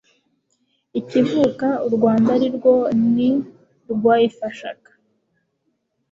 ikivuka u Rwanda arirwo ni rwayifashaga